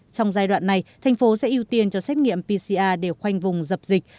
trong giai đoạn này thành phố sẽ ưu tiên cho xét nghiệm pcr để khoanh vùng dập dịch